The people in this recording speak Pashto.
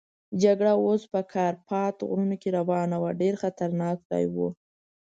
جګړه اوس په کارپات غرونو کې روانه وه، ډېر خطرناک ځای وو.